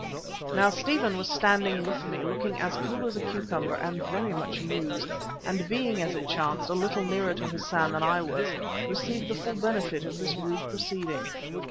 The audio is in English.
Now, Stephen was standing with me, looking as cool as a cucumber and very much amused, and being, as it chanced, a little nearer to Hassan than I was, received the full benefit of this rude proceeding.